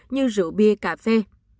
như rượu bia cà phê